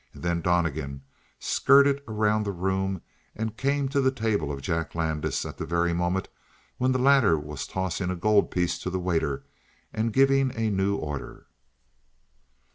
And then Donnegan skirted around the room and came to the table of Jack Landis at the very moment when the latter was tossing a gold piece to the waiter and giving a new order.